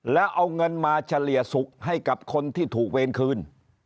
แล้วเอาเงินมาเฉลี่ยสุขให้กับคนที่ถูกเวรคืน